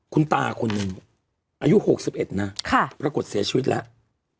คุณตาคนหนึ่งอายุ๖๑นะปรากฏเสียชีวิตแล้ว